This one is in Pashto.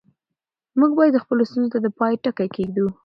موږ باید خپلو ستونزو ته د پای ټکی کېږدو.